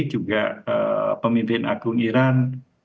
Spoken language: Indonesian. juga pemimpin agung iran